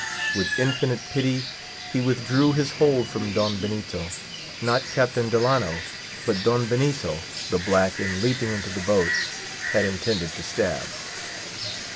With infinite pity he withdrew his hold from Don Benito. Not Captain Delano, but Don Benito, the black, in leaping into the boat, had intended to stab.